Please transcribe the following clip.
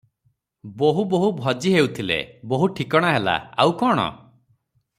ବୋହୂ ବୋହୂ ଭଜି ହେଉଥିଲେ, ବୋହୂ ଠିକଣା ହେଲା, ଆଉ କଣ?